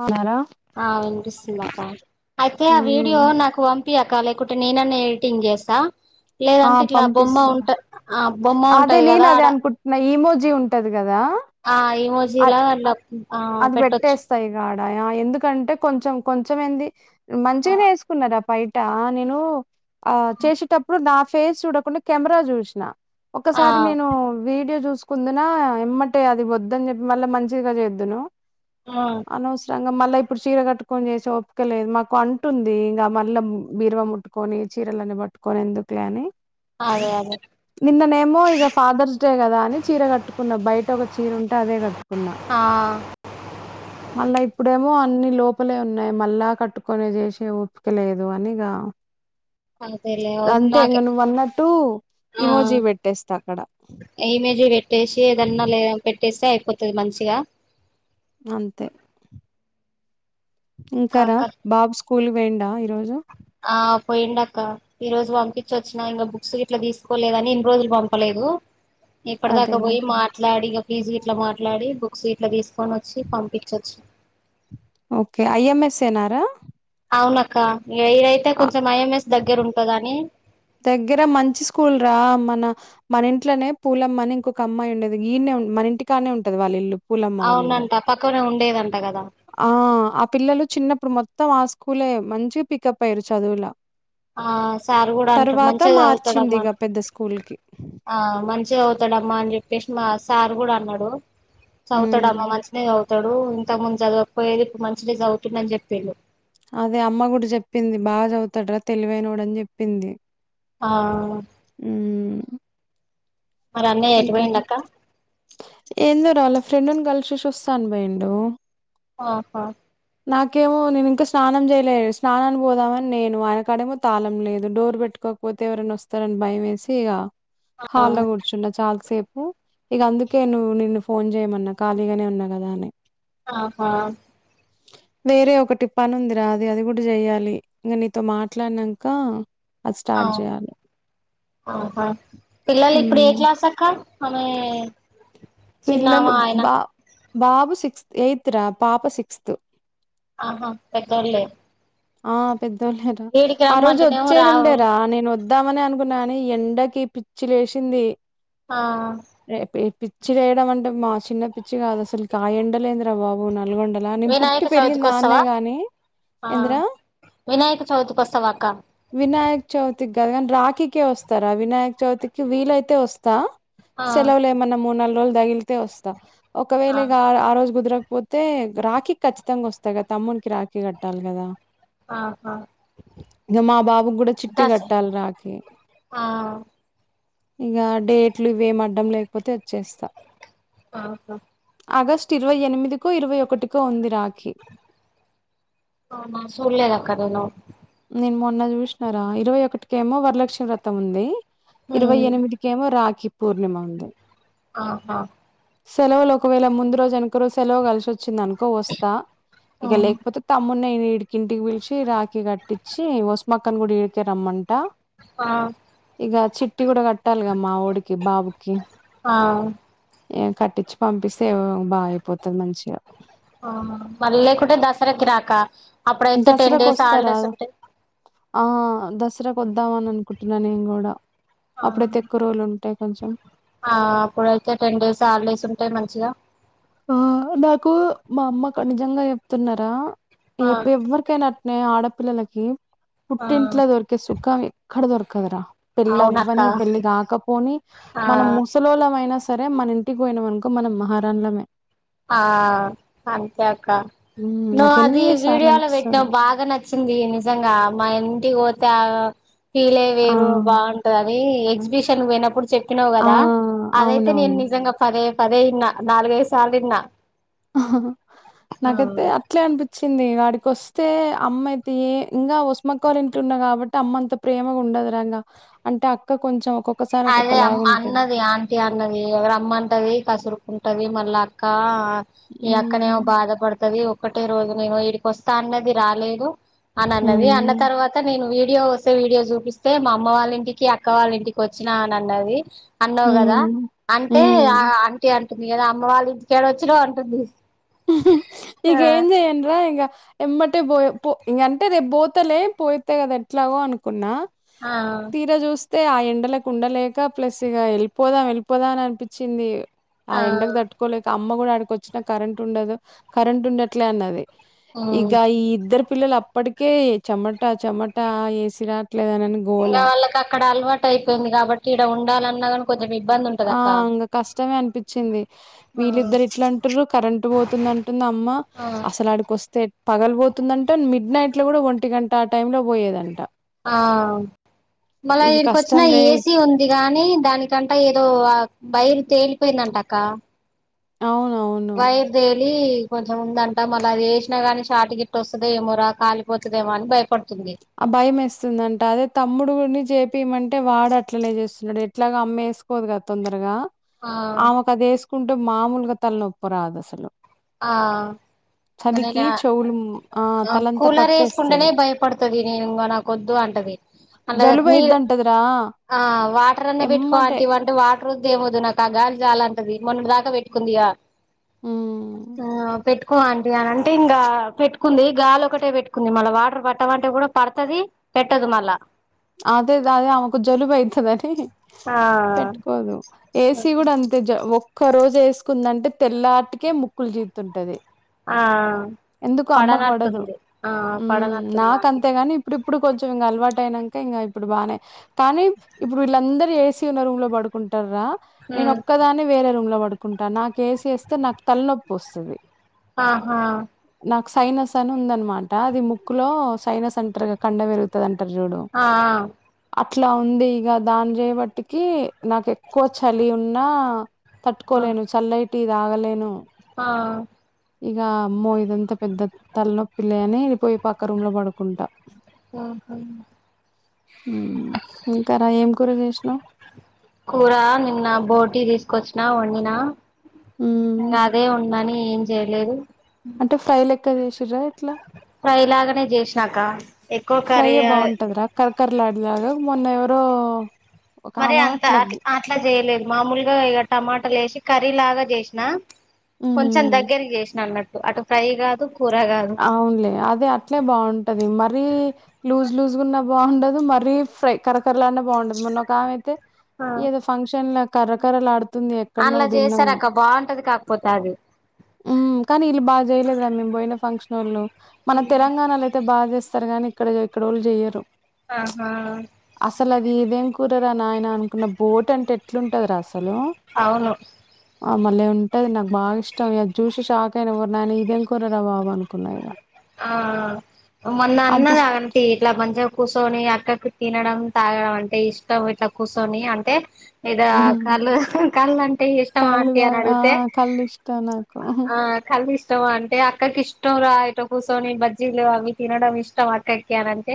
అవునారా ఆ వినిపిస్తుంది అక్క అయితే ఆ ఉమ్ వీడియో నాకు పం పి అక్క లేకుంటే నేనన్న ఎడిటింగ్ చేస్తా ఆ లేదంటే ఇట్లా బొమ్మ పంపిస్తారు ఉంట ఆ బొమ్మ అదే ఉంటది నేను కదా అదే ఆడ అనుకుంటున్నా ఈమోజీ ఉంటది కదా ఆ అ ఏమ్మోజీలా వాళ్ల అది పెట్టేస్త ఇగ ఆడ యా ఎందుకంటే కొంచెం కొంచ మెంది మంచిగనే వేసుకున్నర ఆ పైట నేను ఆ చేసేటప్పుడు నా ఫేస్ చూడకుండా కెమ్రా జుస్నా ఆ ఒక్కసారి నేను వీడియో జూస్ కుందనా యమ్మట్టే అది వద్ద న్ జెప్పి మళ్ళా మంచిగా చేదును ఉమ్ అనవసరన్గా ఇంగా మళ్ళా ఇప్పుడ్ చీర గట్కొని జేసే ఒపికలేదు మాకు అంటున్ది ఇంగా మళ్ళ బీరవ ముట్కొని చీ చిరాలన్ని పట్కొని ఎందుక్లే అని అదే అదే నిన్ననేమో ఇగ ఫాదర్స్ డే కదా అని చీర కట్టుకున్నా బయట ఒక చీర ఉంటే అదే కట్టుకున్నా ఆ మళ్ళా ఇప్పుడేమో అన్ని లోపలే ఉన్నాయి మళ్ళా కట్టుకునే చెసే ఒపికలేదు అని ఇగ అంతేలే అంతే ఇంగ నువ్వన్నట్టు ఆ ఇమోజీ పెట్టేస్తా అక్కడ ఏమేజ్ పెట్టేసి ఏదన్నా లేద పెట్ట [unintelligible] పెట్టేస్తే అయిపోతది మంచిగా అంతే ఇంకా రా కాక బాబు స్కూల్ కి పొయిండా ఈరోజు పోయిండ్ అక్క ఈ రోజ్ పంపిచ్చి వొచ్చినా ఇంగా బుక్స్ గిట్లా తీస్కోలేదని ఇన్న్ రోజుల్ పంపలేదు ఇక్కడి దాకా అదేలే పోయి మాట్లాడి ఇగ ఫీజ్ గిట్లా మాట్లాడి బుక్స్ గిట్లా తీసుకొని వచ్చి పంపిచోచ్చి నా ఓకే ఐ ఎం ఎస్ ఏ నారా? అవునక్క ఏ ఐ అయితే కొంచెం ఐ ఎం ఎస్ దగ్గరుంటాదని దగ్గర మంచి స్కూల్రా మన మన ఇంట్లనే పూలమ్మని ఇంకొక అమ్మాయ్ ఉండేది ఈన్నే మనింటి కానే ఉంటది వాళ్ళిల్లు పూలమ్మ వాళ్ళిళ్ళూ అవునంట పక్కనే ఉండేదంట కదా ఆ ఆ పిల్లలు చిన్నప్పుడు మొత్తం ఆ స్కూలే మంచిగా పికప్ అయ్యిరు. చదువుల ఆ సార్ కూడా అంటాడు తర్వాత మంచిగా చదువుతాడ అమ్మా మార్చిందిగ పెద్ద స్కూల్‌కి. ఆ మంచి చే అవుతాడమ్మా అన్ జేప్పేసి మా సార్ గూడా అన్నడు చవుతాడు హ్మ్. అమ్మా మంచిగానే చవుతాడు ఇంతముందు చదవకపోయేది ఇప్పుడు మంచిదగ చదువుతుందని చేపిండు అదే అమ్మ గుడా చెప్పింది, బాగా చదువుతాడ్రా తెలివైనోడని చెప్పింది. ఆ మరి అన్నయ్య ఎటు ఇంకార పోయిండు అక్క ఎందోరాల ఫ్రెండ్ని కలిసేసి వస్తా అని పోయిండు. ఆహా నాకేమో నేనింకా స్నానం చేయలే, స్నానానికి పోదామని నేను ఆయన కాడేమో తాళం లేదు. డోర్ పెట్టుకో పోతే ఎవ్రన్నా వొస్తారన్ భయమేసిగ హాల్లో కూర్చున్న చాల్ సేప్ ఇగా అందుకే నువ్వు నిన్ను ఫోన్ జేయమన్నా ఖాళీగానే ఉన్నా గదా అని. ఆహా వేరే ఒకటి పనుంది రా అది అది గూడా జేయ్యాలి. ఇంగా నీతో మాట్లాడినాన్కా హ్మ్. ఆహా ఆమె పిల్లలు చిన్నామా ఆయన బా బాబు సిక్స్త్ ఎయిత్ రా పాప సిక్స్త్. ఆహా పెట్టన్లే ఆ పెద్దోళ్లే రా ఆ రోజు రమ్మంటేనేమో వొచ్చేద్ రావు ఉండేరా నేన్ వొద్దామనే అను గునాని ఎండకి పిచ్చిలేసిన్ది హ పిచ్చి లేేయడమన్టే మా సిన్న పిచ్చి గాదసల్క్ ఆ ఎండలేందిరా బాబు నా నల్గొండల నేను పుట్టి వినాయక చవితికి పెరిగింది ఆన్నే వస్తావా గాని ఆ ఏంద్రా వినాయక చవితికి వస్తావా అక్క వినాయక్ చౌత్ త్ కద్గాని రాఖీకే వొస్తా రా వినాయక్ చవితికి వీలైతే వొస్తా ఆ సెల్వల్లేమన్నా మూడ్ నాలుగ్ రోజుల్ తగ్లితే వొస్తా. ఒకవేళ ఆ ఇగా ఆ రోజు గుదరక్ పోతే రాఖీకి ఖచ్చితంగా వొస్తా గదా తమ్మున్కి రాఖీ కట్టాల్ గదా. హా హా ఇగ మా బాబు క్కూడా చిట్టి కట్టాలి రాఖి. ఆ ఇగ డేట్లు ఇవేమి అడ్డం లేకపోతే వచ్చేస్తా. హాహా ఆగస్టు ఇరవై ఎనిమిదికో, ఇరవై ఒకటికో ఉంది రా అవునా సూర్య అక్క దేనా నేన్ మొన్న జూస్నారా ఇరవై ఒకట్కేమో వరలక్ష్మి వ్రతముంది. ఇరవై ఉమ్ ఎనిమిదికెమో రాఖీ పూర్ణిమ ఉంది. ఆహా సెలవులొకవేళ ముందు రోజు వెనుక రోజు సెలవు కలిసోచ్చిందనుకో వస్తా ఇక ఉమ్ లేకపోతే తమ్ము అన్నే ఇడికింటికి పిలిచి రాకీ కట్టించి వసుమక్కన్ కూడా ఇడికే రమ్మంట. హా ఇగ చిట్టి గూడా కట్టల్గా మా వొడికి బాబుకి. హా ఎమ్ కట్టిచీ పంపిస్తే వ్ బాగయిపోత్ మళ్ళీ లేకుంటే దసరాకిిరాక్క అప్పుడైతే టెన్ దసరాకు డేస్ అల్డేస్ ఉంటే దస్రా కొద్దామనన్కుంటున్నా నేన్ గూడా ఆహా ఆ అప్పుడైతే టెన్ డేస్ హాలీడేస్ ఉన్ టయ్ మంచిగ ఆ నాకు మా అమ్మ ఖ నిజంగా జేప్తున్నరా ఆ నియబ్బె వ్వరికైనట్నే ఆడపిల్లలకి ఆ పుట్టింట్లో దొరికే సుఖం ఎక్ క్కడ దొరకదరా పెళ్లి అవ్వని అవునక్క పెళ్లి గాకపోని ఆ మనం ముసలోల్లమయినా సర్ రే మనింటికి బోయినమన్కో మనమ్ మహారాణులమే ఆ అంతే అక్ క్క మ్మ్ నువ్ అది నాకెన్ని సార్లు వీడియోలో అనిపిస్తదో బెట్టినవ్ బాగ నచ్చింది నిజంగా మా ఇన్ టికి పోతే ఆ ఫీలే ఆ వేరు బావుంటదనీ ఎగ్జిబిషన్ పోయ్నప్పుడు చెప్పినవ్ ఆ గదా అదైతే నేను అవునవును నిజంగా పదే పదే ఇన్నా, నాలుగైదు సార్లిన్న నాకైతే అట్లే అన్పిచ్ చ్చింది ఇగాడికొస్తే అమ్మయితే ఏ ఇంగా వస్మక్కోలింట్ల ఉన్న గాబట్టి అమ్మ అంత ప్రేమగ ఉన్ ఉండదురంగా అంటే అక్క కొంచెం ఒకొక్ అదే అమ్ అన్నది ఆంటీ అన్నది రమ్మటది కసురుకుంట్ టది మళ్ళ అక్కా ఈ అక్కనేమో మ్మ్ బాధ పడ్తది ఒకటే రోజు నేను ఈడికొస్తా అన్నది రాలేదు అన్ అన్నది అన్న మ్మ్ తర్వాత నేను వి వీడియో వొస్తే వీడియో జూపిస్తే మా అమ్మ వాల్లింటికి, అక్క వాళ్ళింటికి వొచ్చినా అన్అన్నది అన్నవ్ గదా మ్మ్ అంటే మ్మ్ ఆ అంటీ అంటుంది కదా అమ్మ వాల్లింటికేడోచ్చినవ్ అంటుంది ఆ ఇగేమ్ జేయన్రా ఇగ ఎమ్మటే పోయ పో ఇంగంటే రేపు బోతలే పోయెత్త గదా ఎట్లాగో అనుకున్నా ఆ ఆ తే ఆ ఎండలకు ఉండలేక ప్లస్ ఇగా ఎళ్ళిపోదాం వెళ్ళిపోదాం అని అనిపించింది ఆ ఎండకు తట్టుకోలేక అమ్మ గుడ ఆడికొచ్చినా కరెంట్ ఉండదు కరెంట్ ఉండట్లే అన్నది ఉమ్ ఇగ ఈ ఇద్దరు పిల్లల్ అప్పటికే చెమట చెమట ఏసిరాద్ ట్లేదానని గోలా టైతుంది గాబట్టి ఇడ ఉండాలన్నా గనీ కొంచెం ఇబ్బంది ఉంటంది ఆ ఇంగ కష్టమే అనిపించిన్ది ఆ వీళ్ళిద్దరు ఇట్లంటూర్రు కరెంట్ పోతుంది అంటుంది అమ్మ ఆ అసలాడికొస్తే పగల్ బోతుందంట మిడ్ నైట్ లో గుడా ఒంటి గంట ఆ టైం లో పోయేదంట ఆ మళ్ళ ఇక ఈడికొచ్చిన కష్టంలే ఏసీ ఉంది గాని దానికంట ఏ లో ఆ బైర్ తేలిపోయిందంటక్క అవునవును వైర్ దెగ్ లీ కొంచెం ఉందంట మళ్ళ అది ఏసినా గాని షార్ట్ గిట్ట వస్తదో ఏమో రా కాలిపోతదేమో అని భయప్ అ భయంమేస్తుందంట అదే తమ్ముడుగుని చేపిమంట్ టే వాడు అట్లనే చేస్తున్నడు ఎట్లాగో అమ్మేసుకోదు గద తొందరగా ఆ ఆమెకదేసుకుంట్ టె మామూలుగ తలనొప్పురాదసలు ఆ నేనా చెవులు మ్ ఆ తలంతా కూలరేసుకుంటేనే పట్టేస్తది భయపడుతది నే ఇంగా నాకొద్దు అంటది అట్ నీర్ జలుబయిద్దంటదిరా ఆ వాటర్ అన్న బెట్టుకో ఎమ్మటే ఆంటీ అంటే వాటరోద్దు ఏమొద్దు నాకా గాలి జా లమ్టది మొన్నడ్దాక పెట్టుకుందిగా ఉమ్ క్కో అంటీ అని అంటే ఇంగా పెట్టుకుంది గాలొకటే పెట్టుకుంది మళ్ళ, వాటర్ పట్టమంటే కూడా పడుతది పెట్టదు మళ్ళ అదేదే ఆమెకు జలుబు అయితదని ఆ పెట్టుకోదు ఏసి గుడ అంతే ఒక్క రోజు ఏసుకుందంటే తెల్లాటికే ముక్కులు జీద్తుంటది ఆ ఆ ఎందుకో అమ్మకు పడదు పడనట్టుంది పడనట్టుంది ఆంటీకి నాకంతేగని ఇప్పుడిప్పుడు కొంచెం ఇంగ అలవాటయినం కా ఇప్పుడు బానే కనీ ఇప్పుడు వీళ్ళందరూ ఏసీ ఉన్న రూమ్ లో పడుకుంటరు గా నేనొక్కదాన్నీ వేరే రూమ్ లో పడుకుంట, నాకు ఏసి ఏస్తే నాకు తలనొప్పోస్తది. ఆహా సైనస్ అని ఉందనమాట అది ముక్కులో సైనస్ అంటారు కండ పెరుగుతది అంటారు చూడు ఆ అ అట్లా ఉంది ఇగ దాని చేయబటికి నాకు ఎక్కువ చలి ఉన్నా ఆ తట్టుకోలేను చల్లైటియి తాగలేను ఆ ఇగ అమ్మో ఇదంతా పెద్ద తలనొప్పిలె అని పోయి పక్క రూమ్ లో పడుకుంటా మ్ ఇంకా రా ఏం కూర చేసినావు కూర నిన్న బోటీ తీసుకొచ్చిన వండిన ఉమ్ అదే ఉందని ఏం చేయలేదు అంటే ఫ్రై లెక్క చెసిర్ర ఎట్ ట్లా ఫ్రై లాగానే చేసినాక ఎక్కువ ఫ్రై కర్రీ బాగుంటందరా కరకరలాడిలాగా! మొన్న ఎవరో ఒక మరి ఆమె అంత అట్లా అ అట్లా చేయలేదు మామూలుగా ఇగ టమాటలేసి కర్రీ లాగా చేసిన. కొంచెం ఉమ్ దగ్గరకి చేసిన అన్నట్టు అటు ఫ్రై కాదు కూర కాదు అవునులే అదే అట్లే బాగుంటది మ రీ లూజ్ లూజ్గున్నా బాగుండదు మరీ ఫ్రై కర్రకర లాడిన బాగుండదు మొన్న ఒకమైతే ఏదో ఫంక్షన్ లో కర్ర కరలడుత్ అలా చేసార అక్క బాగుంటది కాకపోతే అది మ్ కానీ ఇల్లు బాగా చేయలేదురా మేము పోయిన ఫంక్షన్ వాళ్ళు మన తెలంగాణలో అయితే బాగా చేస్తారు గానీ ఇక్కడ ఇక్కడోళ్ళు చెయ్యరు! ఆహా ఇది ఏదేం కూరరా నాయన అనుకున్న బోట్ అంటే ఎట్లుంటదిరా అసలు అవును ఆ మళ్ళే ఉంటది నాకు బాగా ఇష్టం ఇ చూసి షాక్ అయిన ఓరి నాయన ఇదేం కూరరా బాబు అనుకున్నాయి ఇగ ఆ మొన్న అన్నది అంతిష్ అంటి ఇట్లా మంచిగా కూర్చొని అక్కకు తినడం తాగడం అంటే ఇష్టం ఇట్లా కూర్చొని అంటే ఇదా హ్మ్. కళ్ళు కళ్ళు అంటే ఇష్టం కళ్ళు ఆంటి అని తాగ్ ఆ అడిగితే కళ్ళు ఇష్టం నాకు ఆ కళ్ళు ఇష్ ఇష్టం అంటే అక్కకి ఇష్టం రా ఇట కూర్చొని బజ్జీలు అవి తినడం ఇష్టం అక్కకి అని అంటే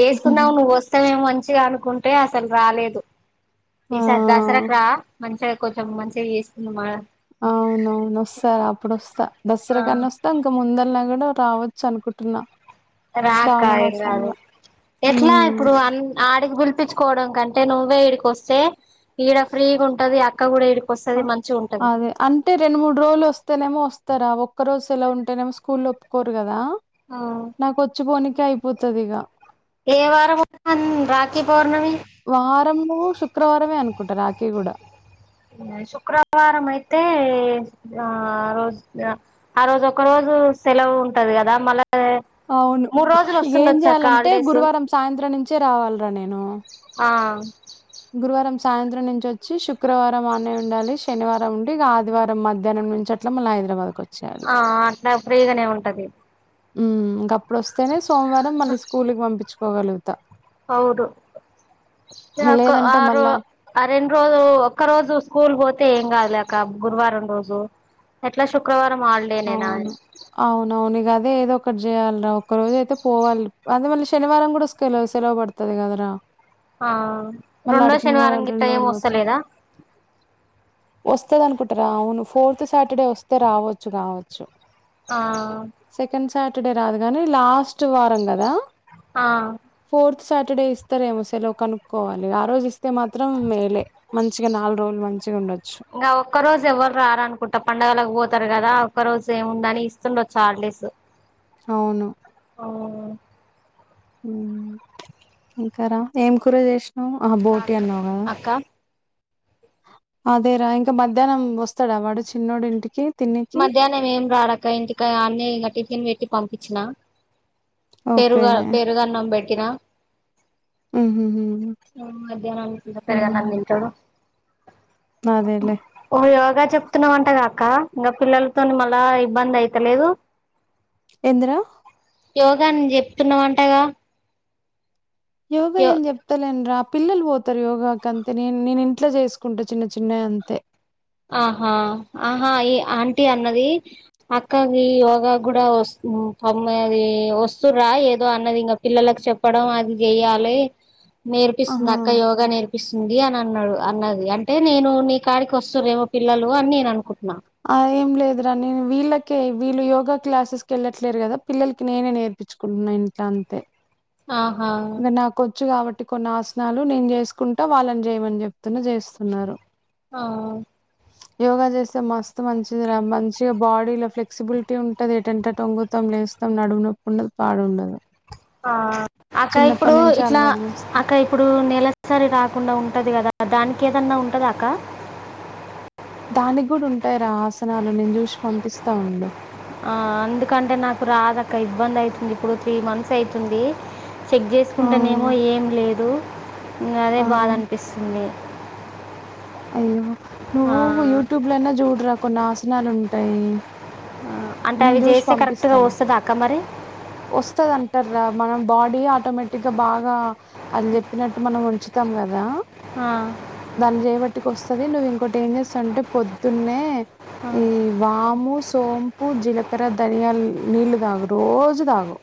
ఎసుకుందాం నువ్వోస్తావేమొ మంచిగా అనుకుంటే అసలు రాలేదు ఆ ఈ సరి దసరకు రా మంచిగా కొంచెం మంచిగా చేస్తుకుందాం మడ అవునవును వస్తారా అప్పుడు వస్తా దసరాకి వస్తా ఇంక ముందలై నేను రావచ్చు అనుకుంటున్నా రా అక్క శ్రావణ ఏం కాదు మాసంలో ఎట్లా హ్మ్ ఇప్పుడు అ ఆడికి పిలిపించుకోవడం కంటే. ంటే నువ్వే ఇడీకొస్తే ఈడ ఫ్రీగా ఉంటది అక్క కూడా ఇడి అదే అంటే రెండు మూడు రోజులు వస్తేనేమో వస్తారా ఒ ఒక్క రోజు సేవు ఉంటేనే స్కూల్ ఒప్పుకోరు కదా నాకు వచ్చిపోనికి కైపోతది ఇగా ఏ వారం ఒన్ రాఖీ పౌర్ణమి? వారము శుక్రవారమే అనుకుంటా రాకి కూడా శుక్రవారం అయితే ఆ రోజు ఆ రోజు ఒక రోజు సెలవు ఉంటది కదా మళ్ళ అవును ఇగ ఏం అక్క చేయాలంటే హాలిడేస్ గురువారం సాయంత్రం నుంచే రావాలిరా నేను ఆ గురువారం సాయంత్రం నుంచి వచ్చి శుక్రవారం ఆనే ఉండాలి శనివారం ఉండి ఇగ ఆదివారం మధ్యాహ్నం నుంచి అట్ల మల్ళ హైదబాద్ కో ఆ అట్లా ఫ్రీగానే ఉంటది మ్ గప్పుడోస్తేనే సోమవారం మళ్ళీ స్కూల్కి పంపించుకోగలుగుతా అవును తే అక్క అ లేదంటే రో మళ్ళా ఆ రెండు రోజు ఒక్క రోజు స్కూల్ పో అయితే ఏం కాదులేక్క గురువారం రోజు ఎట్లా శుక్రవారం హాలిడేనేనా అవును అవునవును అదే ఏదో ఒకటి చేయాలిరా ఒక్క రోజు అయితే పోవాలి అదే మళ్ళీ శనివారం కూడా స్కె సెలవు పడుతది కదరా ఆ రెండో శనివారం గిట్ల ఏం వస్తలేదా వస్తాది అనుకుంటారా అవును ఫోర్త్ సటడే వస్తే రావొచ్చు మావొచ్చు ఆ సెకండ్ సాటడే రాదుగాని లాస్ట్ వారం కదా! ఆ ఫోర్త్ సాటడే ఇస్తారేమో సెలవు కనుక్కోవాలి ఆ రోజు ఇస్తే మాత్రం మేలే మంచిగా నాలుగు రోజులు మంచిగా ఉండొచ్చు ఆ ఒక్క రోజు ఎవ్వరు రారనుకుంటా. పండగలకు పోత్ కదా ఒక రోజు ఏముండని ఇస్తుండొచ్చు హాలిడేస్ అవును! ఉ ఇంకారా ఏమ్ కూర చేసినవ్ ఉహు ఆ ఇంకా బోటీ అక్క అన్నావు కదా అక్క అదేరా ఇంకా మధ్యాహ్నం వస్తాడా వాడు చిన్నోడు ఇంటికి తిన్నికి మధ్యాహ్నం ఏం రాడాక ఇంటికా అన్నే ఇంగా టిఫిన్ పెట్టి పంపించిన ఓకే పెరుగా పెరుగన్నం పెట్టినా హుహుహు. మధ్యాహ్నకి ఇగా హ్మ్. పెరుగన్నం తింటాడు అదేలే ఓ యోగా చెప్తున్నావంట అక్క ఇగా పిల్లలతో మళ్ళా ఇబ్బంది అయితలేదు ఎందిరా యోగా న్ చెప్తున్నావంటగా యోగ యో ఏం చెప్పలేను రా పిల్లలు పోతారు యోగాకి అంతే నేన్ నేను ఇంట్లో చేసుకుంటే చిన్న చిన్నయి అంతే ఆహా ఆహా ఈ ఆంటీ అన్నది అక్క ఈ యోగా కూడా వస్ పమ్ అది వస్తురా ఏదో అన్నది ఇంకా పిల్లలకు చెప్పడం అది చెయాలి నేర్పిస్తుంది ఆహా అక్క యోగా నేర్పిస్తుంది అని అన్నాడు అన్నది అంటే నేను నీ కాడికి వస్త్ స్తురు ఏమో పిల్లలు అని నేననుకుంటున్న! ఆ ఏంలేదరా నేను వీళ్ళకే వీళ్ళు యోగా క్లాసెస్కి ఎళ్ళట్లేదు కదా పిల్లకి నేనే నేర్పించుకుంటున్నా ఇంట్ల అంతే ఆహా చ్చు కాబట్టి కొన్ని ఆసనాలు నేను చేసుకుంటా. వాళ్ళని చేయమని చెప్తున్నా చేస్తున్నారు! ఆ యోగా చేస్తే మస్త మంచిదిరా మంచిగా బాడీలో ఫ్లెక్సిబులిటీ ఉంటుంది. ఏటంటే అటు వంగుతాం లేస్తాం నడుము నొప్పి ఉండ పాడు ఉండదు ఆ అక్క ఇప్పుడు చిన్నప్పటి నుంచి ఇట్లా అలవాటు చేస్తే అక్క ఇప్పుడు నెలసరి రాకుండా ఉంటది కదా దానికి కేదాన్న ఉంటుందాక్క దానికి కూడా ఉంటాయిరా ఆసనాలు నేను చూసి పంపిస్తా ఉండు ఆ ఎందుకంటే నాకు రాదాక్క ఇబ్బంది అవుతుంది ఇప్పుడు త్రీ మంత్స్ అయితుంది చెక్ ఆ చేసుకుంటేనేమో ఏం లేదు అదే ఆ బాధ అనిపిస్తుంది అయ్యో నువ్వు యూట్యూబ్లోన్నా చూడరా కొన్ని ఆసనాలు ఉంటాయి అంటే అవి చేస్తే కరెక్టుగా వస్తుందా? అక్కా మరి వస్తాది అంటర్ రా మన బాడీ ఆటోమేటిక్ గా బాగా అళ్ళు చెప్పినట్టు మనం ఉంచుతాం కదా దాన్ని చేయబట్టి ది నువ్వు ఇంకోటి ఏం చేస్తావంటే పొద్దున్నే ఈ వాము సో పు జీలకర ధనియాల్ నీళ్ళదాగు రోజు దాగు